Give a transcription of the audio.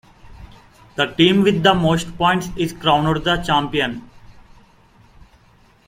The team with the most points is crowned the champion.